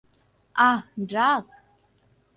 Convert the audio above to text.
আহ, ড্রাক?